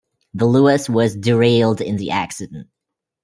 The Luas was derailed in the accident.